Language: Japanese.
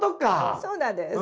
そうなんです。